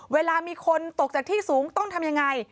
เวลามีคนตกจากที่สูงต้องทำยังไง